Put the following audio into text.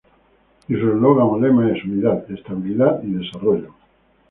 Y su eslogan o lema es ""Unidad, Estabilidad y Desarrollo"".